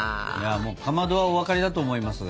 かまどはお分かりだと思いますが。